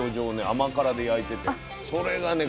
甘辛で焼いててそれがね